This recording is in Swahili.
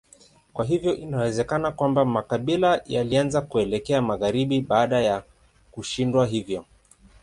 Kwa hiyo inawezekana kwamba makabila yalianza kuelekea magharibi baada ya kushindwa hivyo.